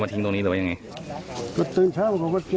มาจากจากอิดเป